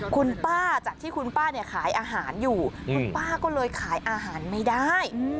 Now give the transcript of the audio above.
คุณป้าจากที่คุณป้าเนี่ยขายอาหารอยู่คุณป้าก็เลยขายอาหารไม่ได้